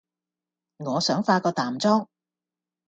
我想化個淡妝